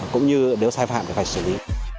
cũng như nếu sai phạm thì phải xử lý